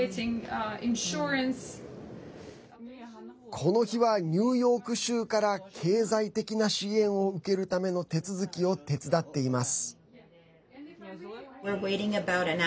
この日は、ニューヨーク州から経済的な支援を受けるための手続きを手伝っています。